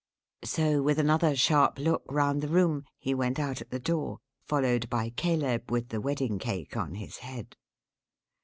So, with another sharp look round the room, he went out at the door; followed by Caleb with the wedding cake on his head.